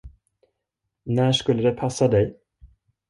När skulle det passa dig?